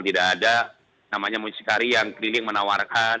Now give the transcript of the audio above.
tidak ada namanya mucikari yang keliling menawarkan